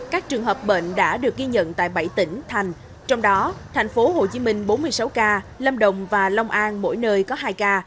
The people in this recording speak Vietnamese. các trường hợp bệnh đã được ghi nhận tại bảy tỉnh thành trong đó tp hcm bốn mươi sáu ca lâm đồng và long an mỗi nơi có hai ca